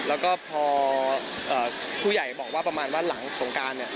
แล้วก็พอผู้ใหญ่บอกว่าประมาณว่าหลังสงการ